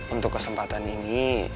untuk kesempatan ini